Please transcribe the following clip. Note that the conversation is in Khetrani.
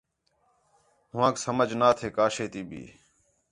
ہو ہانک سمجھ نہ تھے کا شے تی بھی